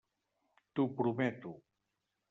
T'ho prometo.